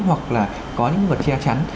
hoặc là có những vật che chắn